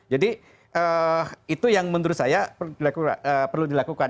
jadi itu yang menurut saya perlu dilakukan